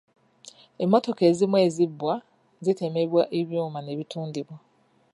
Emmotoka ezimu ezibbwa zitemebwa ebyuma ne bitundibwa.